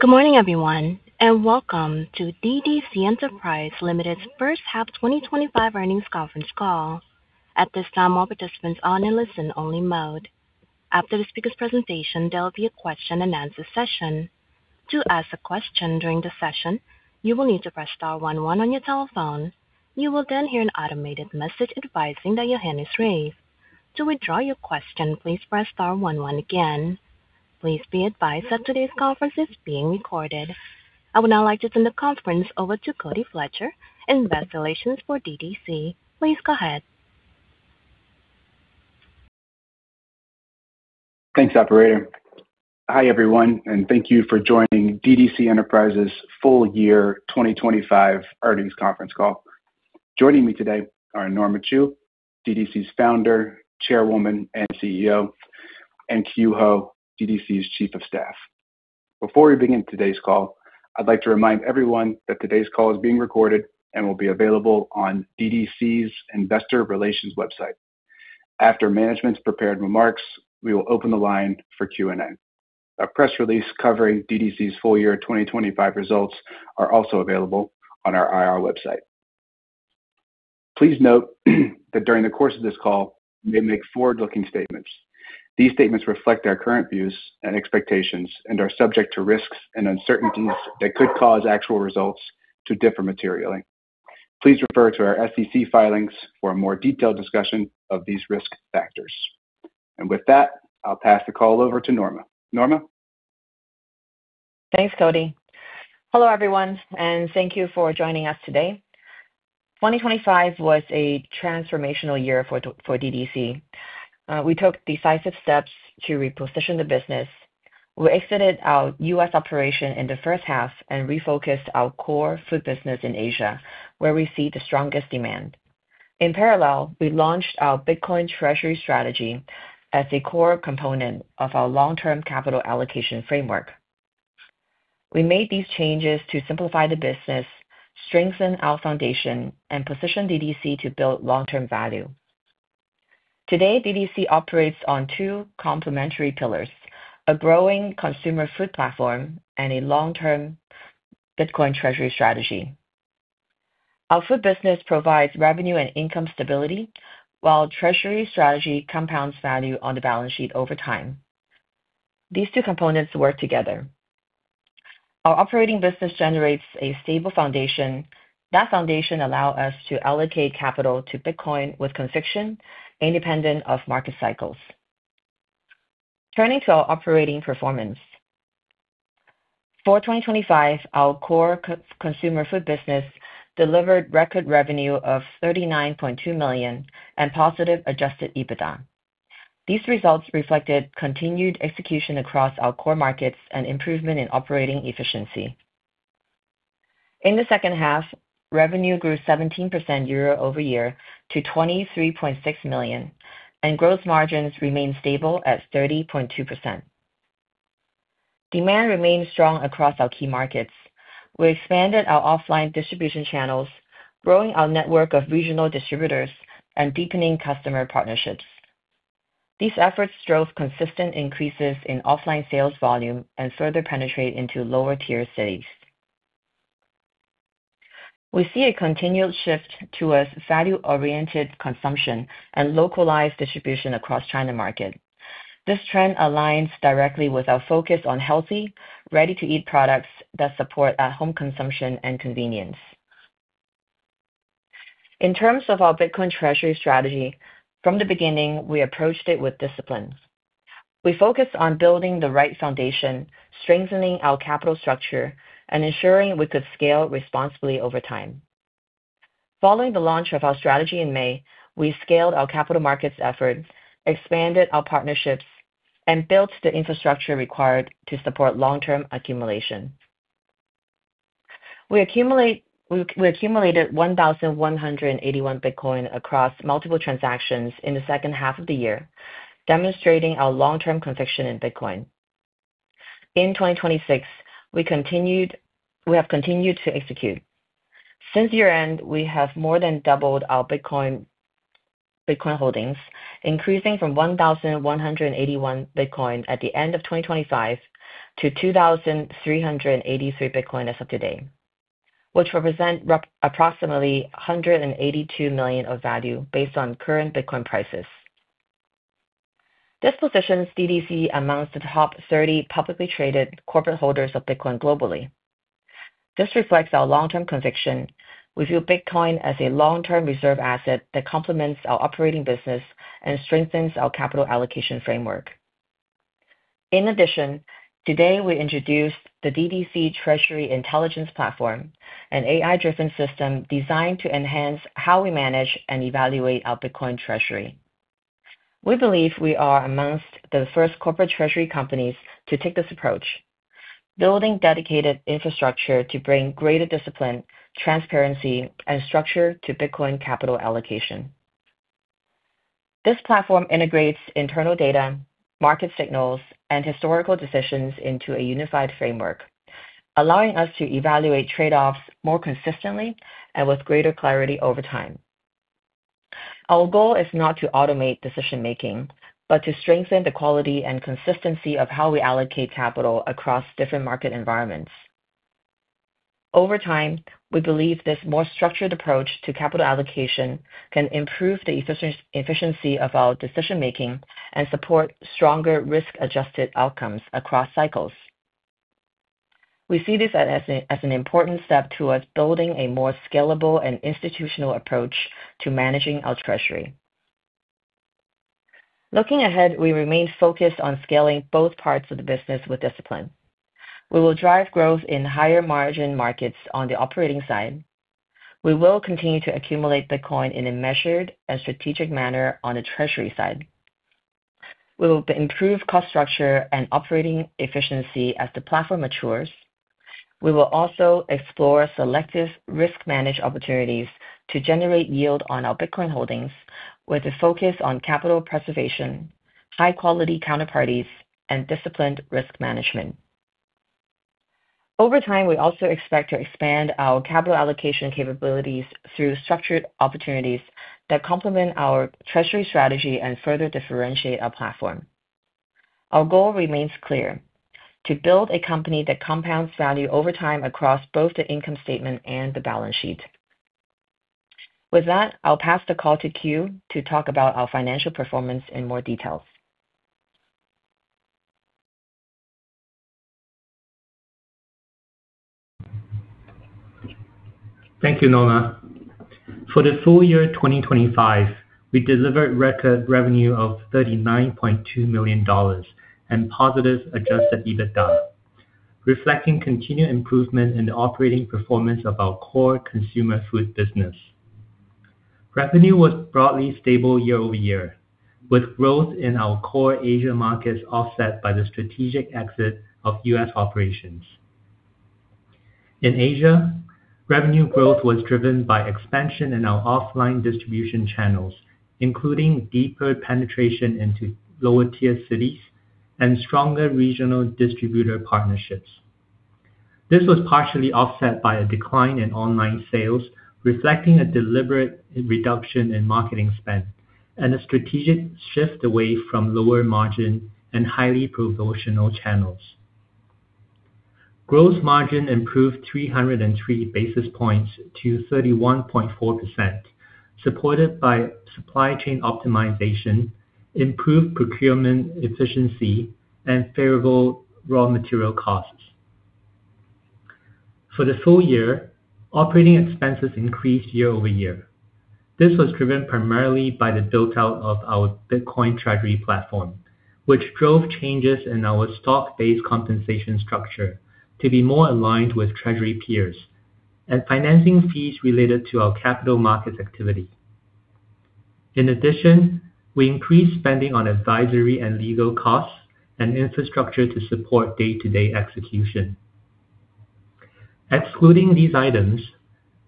Good morning, everyone, and welcome to DDC Enterprise Limited's first half 2025 earnings conference call. At this time, all participants are in listen-only mode. After the speaker's presentation, there will be a question and answer session. To ask a question during the session, you will need to press star one one on your telephone. You will then hear an automated message advising that your hand is raised. To withdraw your question, please press star one one again. Please be advised that today's conference is being recorded. I would now like to turn the conference over to Cody Fletcher, Investor Relations for DDC. Please go ahead. Thanks, operator. Hi, everyone, and thank you for joining DDC Enterprise full year 2025 earnings conference call. Joining me today are Norma Chu, DDC's Founder, Chairwoman, and CEO, and Kyu Ho, DDC's Chief of Staff. Before we begin today's call, I'd like to remind everyone that today's call is being recorded and will be available on DDC's investor relations website. After management's prepared remarks, we will open the line for Q&A. A press release covering DDC's full year 2025 results are also available on our IR website. Please note that during the course of this call, we may make forward-looking statements. These statements reflect our current views and expectations and are subject to risks and uncertainties that could cause actual results to differ materially. Please refer to our SEC filings for a more detailed discussion of these risk factors. With that, I'll pass the call over to Norma. Norma? Thanks, Cody. Hello, everyone, and thank you for joining us today. 2025 was a transformational year for DDC. We took decisive steps to reposition the business. We exited our U.S. operation in the first half and refocused our core food business in Asia, where we see the strongest demand. In parallel, we launched our Bitcoin treasury strategy as a core component of our long-term capital allocation framework. We made these changes to simplify the business, strengthen our foundation, and position DDC to build long-term value. Today, DDC operates on two complementary pillars, a growing consumer food platform and a long-term Bitcoin treasury strategy. Our food business provides revenue and income stability, while Treasury strategy compounds value on the balance sheet over time. These two components work together. Our operating business generates a stable foundation. That foundation allow us to allocate capital to Bitcoin with conviction independent of market cycles. Turning to our operating performance. For 2025, our core consumer food business delivered record revenue of $39.2 million and positive adjusted EBITDA. These results reflected continued execution across our core markets and improvement in operating efficiency. In the second half, revenue grew 17% year-over-year to $23.6 million, and gross margins remained stable at 30.2%. Demand remained strong across our key markets. We expanded our offline distribution channels, growing our network of regional distributors and deepening customer partnerships. These efforts drove consistent increases in offline sales volume and further penetrate into lower-tier cities. We see a continued shift towards value-oriented consumption and localized distribution across China market. This trend aligns directly with our focus on healthy, ready-to-eat products that support at-home consumption and convenience. In terms of our Bitcoin treasury strategy, from the beginning, we approached it with discipline. We focused on building the right foundation, strengthening our capital structure, and ensuring we could scale responsibly over time. Following the launch of our strategy in May, we scaled our capital markets efforts, expanded our partnerships, and built the infrastructure required to support long-term accumulation. We accumulated 1,181 Bitcoin across multiple transactions in the second half of the year, demonstrating our long-term conviction in Bitcoin. In 2026, we have continued to execute. Since year-end, we have more than doubled our Bitcoin holdings, increasing from 1,181 Bitcoin at the end of 2025 to 2,383 Bitcoin as of today, which represent approximately $182 million of value based on current Bitcoin prices. This positions DDC among the top 30 publicly traded corporate holders of Bitcoin globally. This reflects our long-term conviction. We view Bitcoin as a long-term reserve asset that complements our operating business and strengthens our capital allocation framework. In addition, today we introduced the DDC Treasury Intelligence Platform, an AI-driven system designed to enhance how we manage and evaluate our Bitcoin treasury. We believe we are amongst the first corporate treasury companies to take this approach, building dedicated infrastructure to bring greater discipline, transparency, and structure to Bitcoin capital allocation. This platform integrates internal data, market signals, and historical decisions into a unified framework, allowing us to evaluate trade-offs more consistently and with greater clarity over time. Our goal is not to automate decision-making, but to strengthen the quality and consistency of how we allocate capital across different market environments. Over time, we believe this more structured approach to capital allocation can improve the efficiency of our decision-making and support stronger risk-adjusted outcomes across cycles. We see this as an important step towards building a more scalable and institutional approach to managing our treasury. Looking ahead, we remain focused on scaling both parts of the business with discipline. We will drive growth in higher-margin markets on the operating side. We will continue to accumulate Bitcoin in a measured and strategic manner on the treasury side. With the improved cost structure and operating efficiency as the platform matures, we will also explore selective risk managed opportunities to generate yield on our Bitcoin holdings, with a focus on capital preservation, high-quality counterparties, and disciplined risk management. Over time, we also expect to expand our capital allocation capabilities through structured opportunities that complement our treasury strategy and further differentiate our platform. Our goal remains clear: to build a company that compounds value over time across both the income statement and the balance sheet. With that, I'll pass the call to Kyu to talk about our financial performance in more details. Thank you, Norma. For the full year 2025, we delivered record revenue of $39.2 million and positive adjusted EBITDA, reflecting continued improvement in the operating performance of our core consumer food business. Revenue was broadly stable year-over-year, with growth in our core Asia markets offset by the strategic exit of U.S. operations. In Asia, revenue growth was driven by expansion in our offline distribution channels, including deeper penetration into lower-tier cities and stronger regional distributor partnerships. This was partially offset by a decline in online sales, reflecting a deliberate reduction in marketing spend and a strategic shift away from lower-margin and highly promotional channels. Gross margin improved 303 basis points to 31.4%, supported by supply chain optimization, improved procurement efficiency, and favorable raw material costs. For the full year, operating expenses increased year-over-year. This was driven primarily by the build-out of our Bitcoin treasury platform, which drove changes in our stock-based compensation structure to be more aligned with treasury peers and financing fees related to our capital markets activity. In addition, we increased spending on advisory and legal costs and infrastructure to support day-to-day execution. Excluding these items,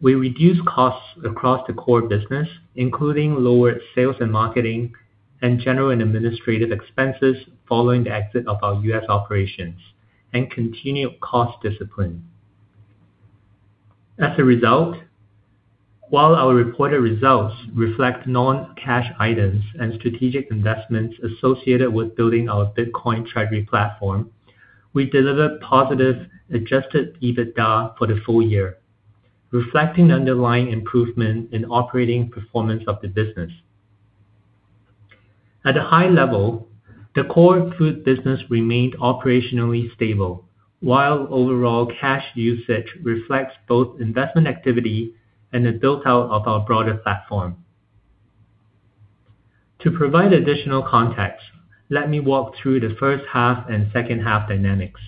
we reduced costs across the core business, including lower sales and marketing, and general and administrative expenses following the exit of our U.S. operations and continued cost discipline. As a result, while our reported results reflect non-cash items and strategic investments associated with building our Bitcoin treasury platform, we delivered positive adjusted EBITDA for the full year, reflecting underlying improvement in operating performance of the business. At a high level, the core food business remained operationally stable, while overall cash usage reflects both investment activity and the build-out of our broader platform. To provide additional context, let me walk through the first half and second half dynamics.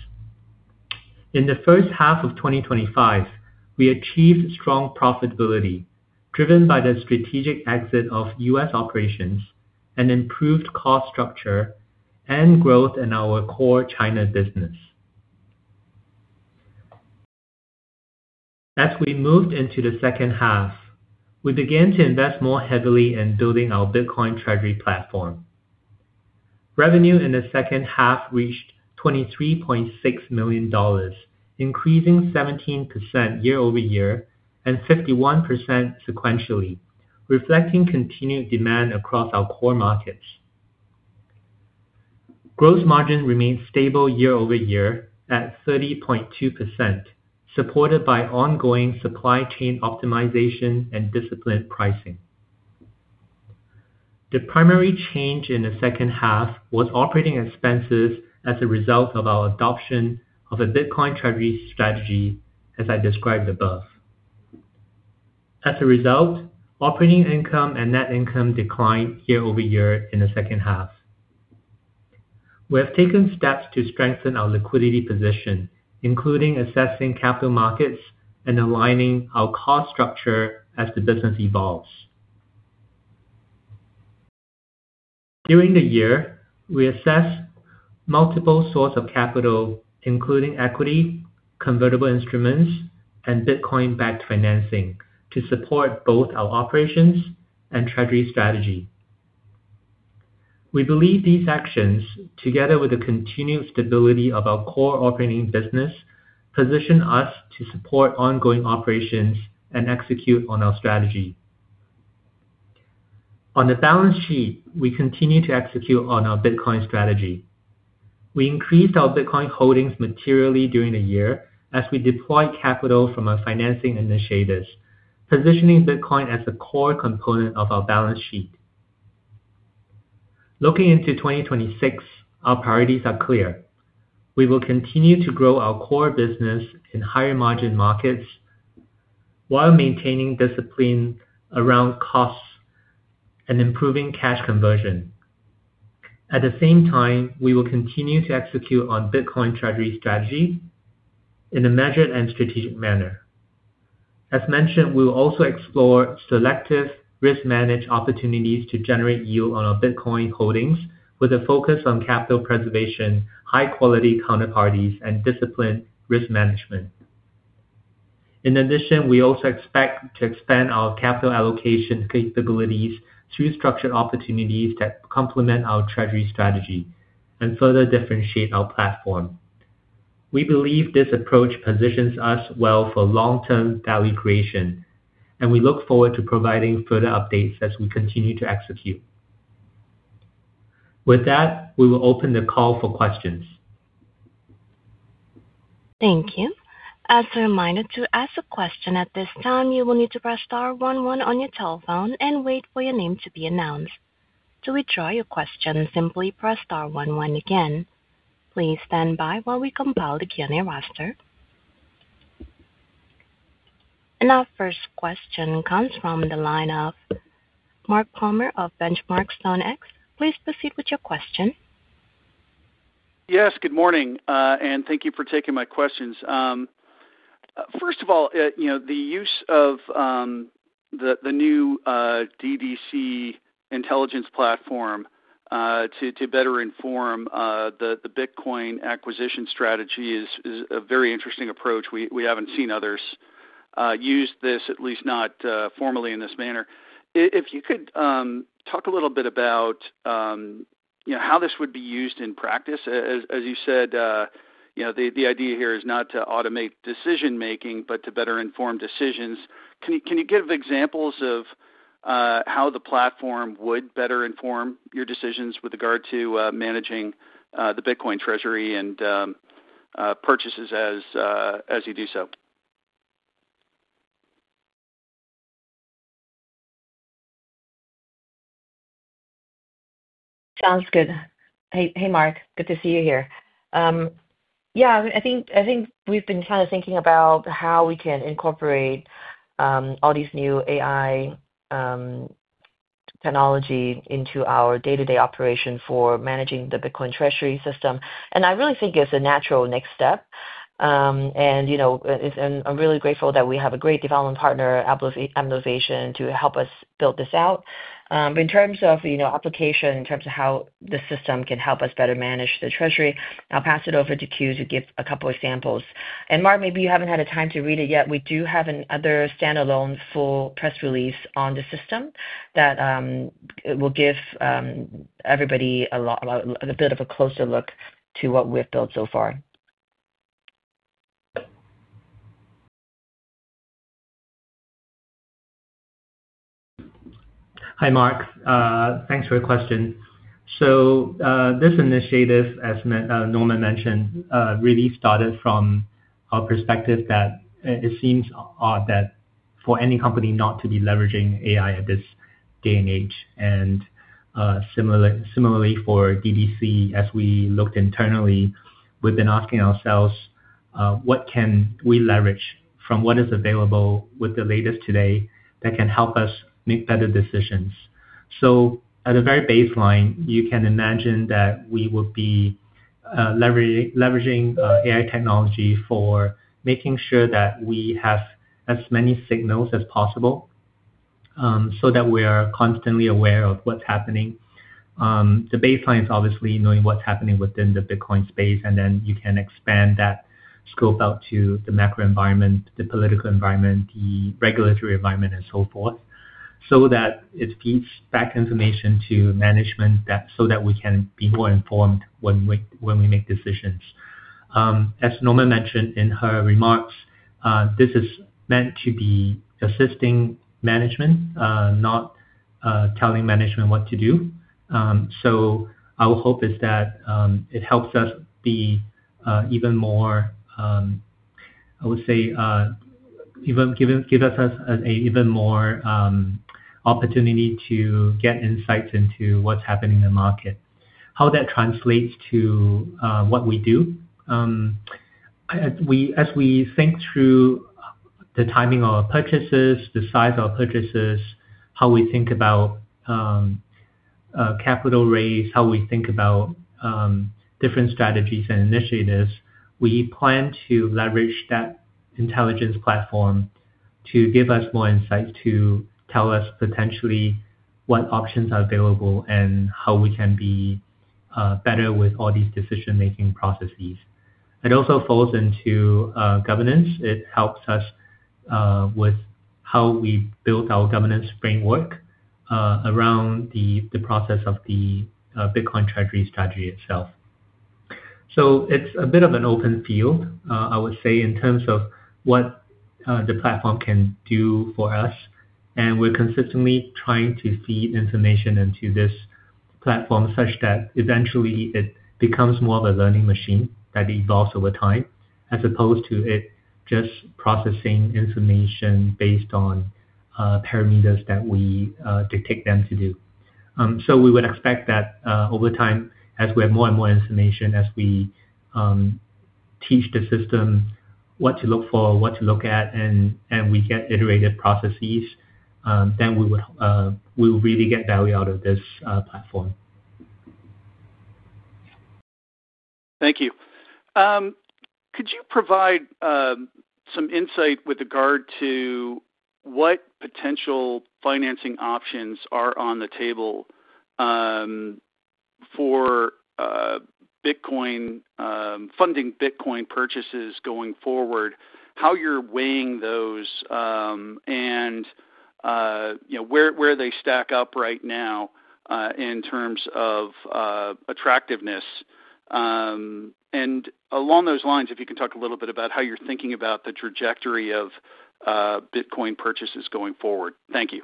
In the first half of 2025, we achieved strong profitability, driven by the strategic exit of U.S. operations, and improved cost structure, and growth in our core China business. As we moved into the second half, we began to invest more heavily in building our Bitcoin treasury platform. Revenue in the second half reached $23.6 million, increasing 17% year-over-year and 51% sequentially, reflecting continued demand across our core markets. Gross margin remained stable year-over-year at 30.2%, supported by ongoing supply chain optimization and disciplined pricing. The primary change in the second half was operating expenses as a result of our adoption of a Bitcoin treasury strategy, as I described above. As a result, operating income and net income declined year-over-year in the second half. We have taken steps to strengthen our liquidity position, including assessing capital markets and aligning our cost structure as the business evolves. During the year, we assessed multiple source of capital, including equity, convertible instruments, and Bitcoin-backed financing to support both our operations and treasury strategy. We believe these actions, together with the continued stability of our core operating business, position us to support ongoing operations and execute on our strategy. On the balance sheet, we continue to execute on our Bitcoin strategy. We increased our Bitcoin holdings materially during the year as we deployed capital from our financing initiatives, positioning Bitcoin as a core component of our balance sheet. Looking into 2026, our priorities are clear. We will continue to grow our core business in higher-margin markets while maintaining discipline around costs and improving cash conversion. At the same time, we will continue to execute on Bitcoin treasury strategy in a measured and strategic manner. As mentioned, we will also explore selective risk managed opportunities to generate yield on our Bitcoin holdings with a focus on capital preservation, high-quality counterparties, and disciplined risk management. In addition, we also expect to expand our capital allocation capabilities through structured opportunities that complement our treasury strategy and further differentiate our platform. We believe this approach positions us well for long-term value creation, and we look forward to providing further updates as we continue to execute. With that, we will open the call for questions. Thank you. As a reminder, to ask a question at this time, you will need to press star one one on your telephone and wait for your name to be announced. To withdraw your question, simply press star one one again. Please stand by while we compile the Q&A roster. Our first question comes from the line of Mark Palmer of The Benchmark Company. Please proceed with your question. Yes, good morning, and thank you for taking my questions. First of all, the use of the new DDC Intelligence Platform to better inform the Bitcoin acquisition strategy is a very interesting approach. We haven't seen others use this, at least not formally in this manner. If you could talk a little bit about how this would be used in practice, as you said the idea here is not to automate decision-making, but to better inform decisions. Can you give examples of how the platform would better inform your decisions with regard to managing the Bitcoin treasury and purchases as you do so? Sounds good. Hey, Mark. Good to see you here. Yeah, I think we've been kind of thinking about how we can incorporate all these new AI technology into our day-to-day operation for managing the Bitcoin treasury system. I really think it's a natural next step. I'm really grateful that we have a great development partner, Appnovation, to help us build this out. In terms of application, in terms of how the system can help us better manage the Treasury, I'll pass it over to Kyu to give a couple of samples. Mark, maybe you haven't had time to read it yet. We do have another standalone full press release on the system that will give everybody a bit of a closer look to what we've built so far. Hi, Mark. Thanks for your question. This initiative, as Norma mentioned, really started from a perspective that it seems odd that for any company not to be leveraging AI at this day and age. Similarly for DDC, as we looked internally, we've been asking ourselves, what can we leverage from what is available with the latest today that can help us make better decisions? At a very baseline, you can imagine that we would be leveraging AI technology for making sure that we have as many signals as possible, so that we are constantly aware of what's happening. The baseline is obviously knowing what's happening within the Bitcoin space, and then you can expand that scope out to the macro environment, the political environment, the regulatory environment, and so forth, so that it feeds back information to management so that we can be more informed when we make decisions. As Norma mentioned in her remarks, this is meant to be assisting management, not telling management what to do. Our hope is that it helps us be even more, I would say, give us an even more opportunity to get insights into what's happening in the market. How that translates to what we do, as we think through the timing of our purchases, the size of our purchases, how we think about capital raise, how we think about different strategies and initiatives, we plan to leverage that intelligence platform to give us more insight, to tell us potentially what options are available and how we can be better with all these decision-making processes. It also falls into governance. It helps us with how we build our governance framework around the process of the Bitcoin treasury strategy itself. It's a bit of an open field, I would say, in terms of what the platform can do for us, and we're consistently trying to feed information into this platform such that eventually it becomes more of a learning machine that evolves over time, as opposed to it just processing information based on parameters that we dictate them to do. We would expect that over time, as we have more and more information, as we teach the system what to look for, what to look at, and we get iterative processes, then we will really get value out of this platform. Thank you. Could you provide some insight with regard to what potential financing options are on the table for funding Bitcoin purchases going forward, how you're weighing those, and where they stack up right now, in terms of attractiveness? Along those lines, if you can talk a little bit about how you're thinking about the trajectory of Bitcoin purchases going forward? Thank you.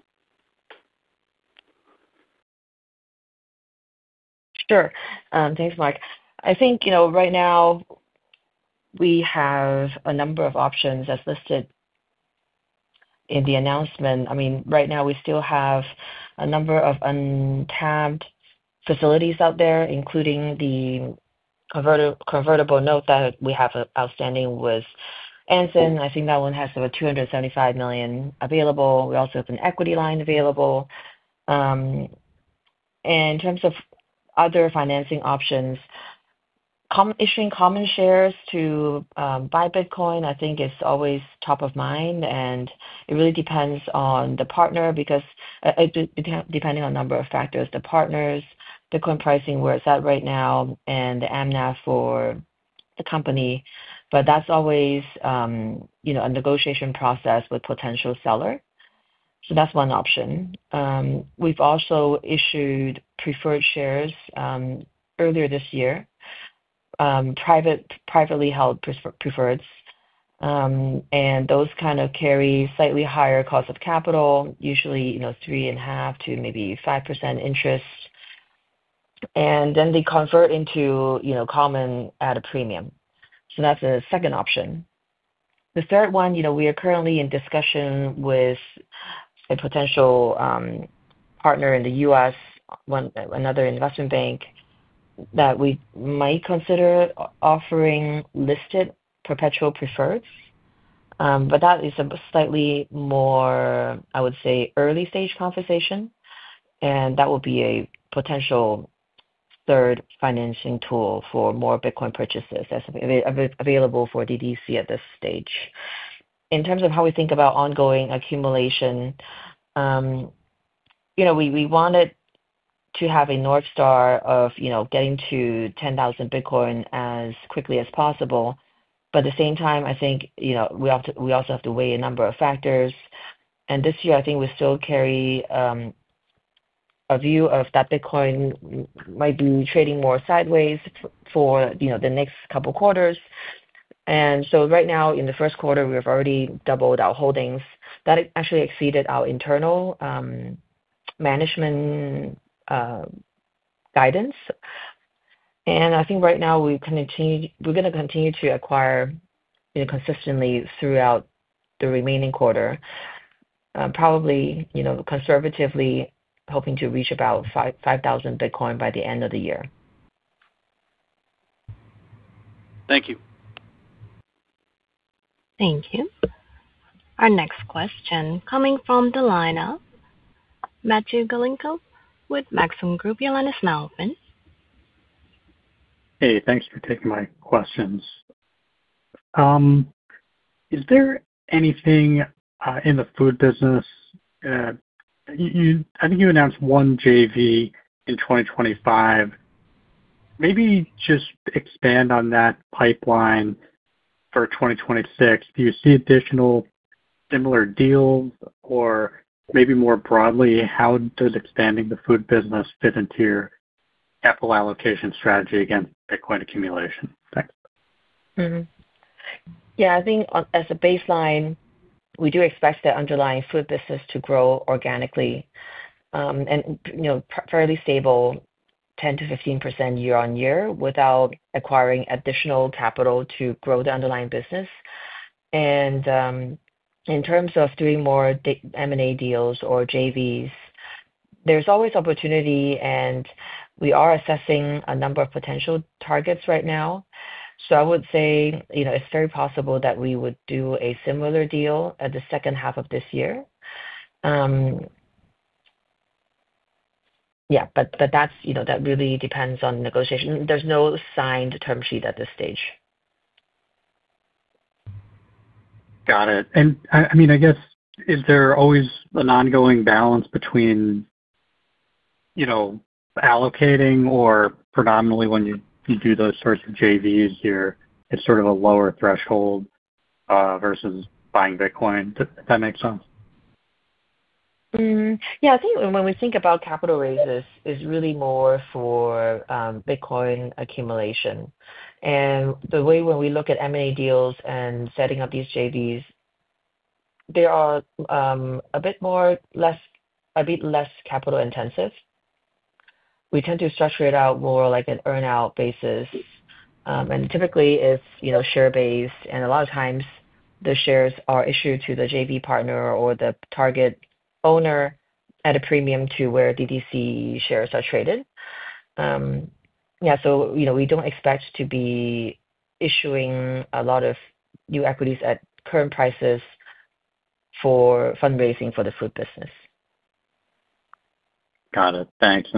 Sure. Thanks, Mark. I think right now we have a number of options as listed in the announcement. Right now, we still have a number of untapped facilities out there, including the convertible note that we have outstanding with Anson. I think that one has over $275 million available. We also have an equity line available. In terms of other financing options, issuing common shares to buy Bitcoin is always top of mind, and it really depends on the partner because, depending on a number of factors, the partners, Bitcoin pricing, where it's at right now, and the mNAV for the company. That's always a negotiation process with potential seller. That's one option. We've also issued preferred shares earlier this year, privately held preferreds, and those kind of carry slightly higher cost of capital, usually 3.5%-5% interest. Then they convert into common at a premium. That's the second option. The third one, we are currently in discussion with a potential partner in the U.S., another investment bank, that we might consider offering listed perpetual preferreds. That is a slightly more, I would say, early-stage conversation, and that will be a potential third financing tool for more Bitcoin purchases as available for DDC at this stage. In terms of how we think about ongoing accumulation, we wanted to have a North Star of getting to 10,000 Bitcoin as quickly as possible. At the same time, I think, we also have to weigh a number of factors. This year, I think we still carry a view that Bitcoin might be trading more sideways for the next couple of quarters. Right now, in the first quarter, we have already doubled our holdings. That actually exceeded our internal management guidance. I think right now we're going to continue to acquire consistently throughout the remaining quarter. Probably, conservatively hoping to reach about 5,000 Bitcoin by the end of the year. Thank you. Thank you. Our next question coming from the line of Matthew Galinko with Maxim Group. Hey, thanks for taking my questions. Is there anything in the food business, I think you announced one JV in 2025. Maybe just expand on that pipeline for 2026. Do you see additional similar deals? Or maybe more broadly, how does expanding the food business fit into your capital allocation strategy against Bitcoin accumulation? Thanks. Yeah, I think as a baseline, we do expect the underlying food business to grow organically and fairly stable 10%-15% year-over-year without acquiring additional capital to grow the underlying business. In terms of doing more M&A deals or JVs, there's always opportunity, and we are assessing a number of potential targets right now. I would say it's very possible that we would do a similar deal at the second half of this year. Yeah. That really depends on negotiation. There's no signed term sheet at this stage. Got it. I guess, is there always an ongoing balance between allocating or predominantly when you do those sorts of JVs here, it's sort of a lower threshold, versus buying Bitcoin? Does that make sense? Yeah. I think when we think about capital raises, it's really more for Bitcoin accumulation. The way when we look at M&A deals and setting up these JVs, they are a bit less capital intensive. We tend to structure it out more like an earn-out basis. Typically it's share-based, and a lot of times the shares are issued to the JV partner or the target owner at a premium to where DDC shares are traded. We don't expect to be issuing a lot of new equities at current prices for fundraising for the food business. Got it. Thanks.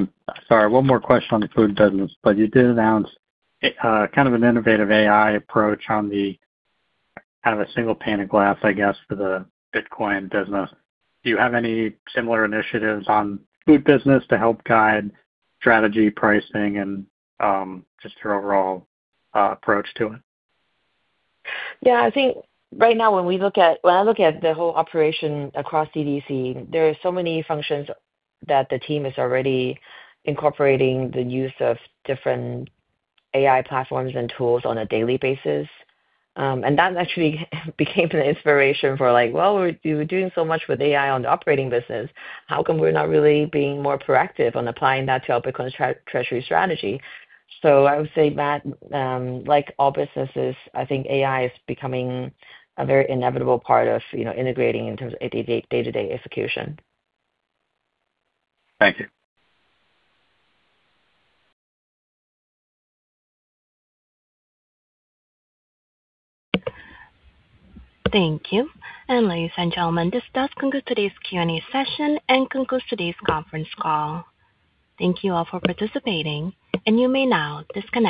Sorry, one more question on the food business. You did announce kind of an innovative AI approach on the kind of a single pane of glass, I guess, for the Bitcoin business. Do you have any similar initiatives on food business to help guide strategy pricing and just your overall approach to it? Yeah, I think right now when I look at the whole operation across DDC, there are so many functions that the team is already incorporating the use of different AI platforms and tools on a daily basis. That actually became an inspiration for like, well, we're doing so much with AI on the operating business, how come we're not really being more proactive on applying that to our Bitcoin treasury strategy? I would say, Matt, like all businesses, I think AI is becoming a very inevitable part of integrating in terms of day-to-day execution. Thank you. Thank you. Ladies and gentlemen, this does conclude today's Q&A session and concludes today's conference call. Thank you all for participating, and you may now disconnect your lines.